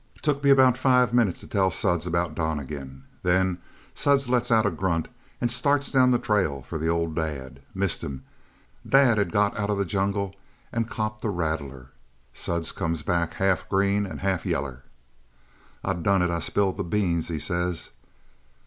"Took me about five minutes to tell Suds about Donnegan. Then Suds let out a grunt and started down the trail for the old dad. Missed him. Dad had got out of the Jungle and copped a rattler. Suds come back half green and half yeller. "'I've done it; I've spilled the beans,' he says.